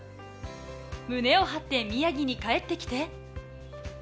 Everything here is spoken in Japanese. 胸を張って宮城に帰ってきて。